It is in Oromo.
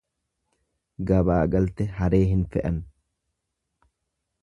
Gabaa galte haree hin fe'an.